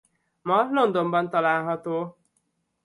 Ma Londonban található.